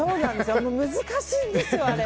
難しいんですよ、あれ。